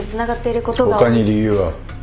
他に理由は？